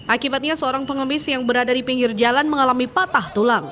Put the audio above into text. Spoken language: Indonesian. akibatnya seorang pengemis yang berada di pinggir jalan mengalami patah tulang